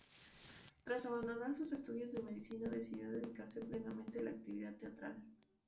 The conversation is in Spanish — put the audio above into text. Tras abandonar sus estudios de medicina, decidió dedicarse plenamente a la actividad teatral.